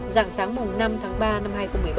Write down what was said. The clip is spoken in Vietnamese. giảng sáng năm tháng ba năm hai nghìn một mươi bảy